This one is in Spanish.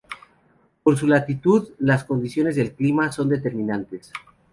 Por su latitud, las condiciones del clima son determinantes.